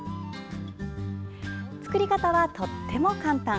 作り方は、とっても簡単。